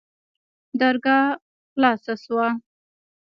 درګاه خلاصه سوه.